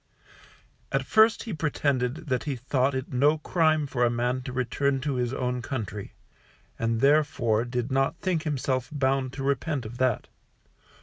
At first he pretended that he thought it no crime for a man to return to his own country, and therefore did not think himself bound to repent of that.